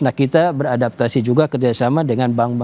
nah kita beradaptasi juga dengan bank